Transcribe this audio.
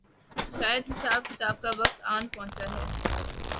شاید حساب کتاب کا وقت آن پہنچا ہے۔